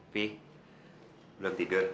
pih belum tidur